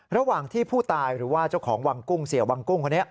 ระหว่างที่ผู้ตายหรือว่าเจ้าของวังกุ้งเสียวังกุ้งคนนี้